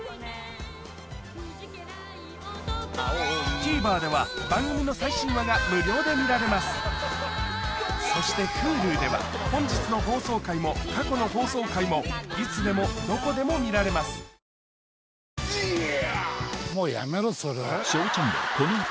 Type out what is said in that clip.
ＴＶｅｒでは番組の最新話が無料で見られますそしてＨｕｌｕでは本日の放送回も過去の放送回もいつでもどこでも見られますねぇねぇ